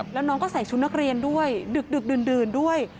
แล้วน้องก็ใส่ชุดนักเรียนด้วยดึกดื่นด้วย